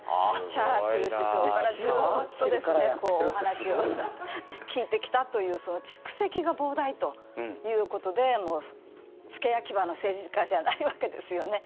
チャーチル首相からずっとお話を聞いてきたという蓄積が膨大ということで付け焼き刃の政治家じゃないわけですよね。